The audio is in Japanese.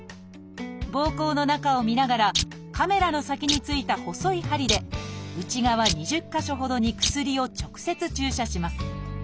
ぼうこうの中を見ながらカメラの先についた細い針で内側２０か所ほどに薬を直接注射します。